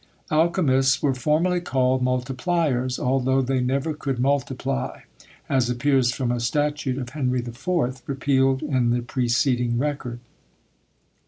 Alchymists were formerly called multipliers, although they never could multiply; as appears from a statute of Henry IV. repealed in the preceding record.